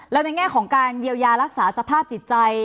แล้วในแง่ของการเยียวยารักษาสภาพจิตใจ